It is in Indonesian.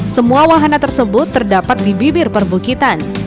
semua wahana tersebut terdapat di bibir perbukitan